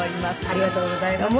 ありがとうございます。